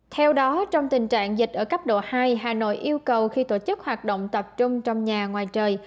theo đó trong tình trạng dịch ở cấp độ hai hà nội yêu cầu khi tổ chức hoạt động tập trung trong nhà ngoài trời